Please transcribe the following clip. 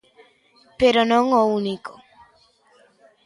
Pero non o único.